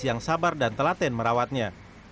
yang sabar dan telaten merawatnya